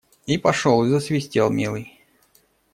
И пошел и засвистел, милый.